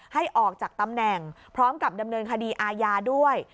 ให้ออกจากตำแหน่งพร้อมกับดำเนินคดีอาญาด้วย